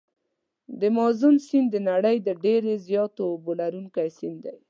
د مازون سیند د نړۍ د ډېر زیاتو اوبو لرونکي سیند دی.